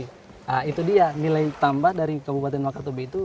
nah itu dia nilai tambah dari kabupaten wakatobi itu